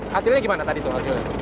hasilnya gimana tadi tuh hasilnya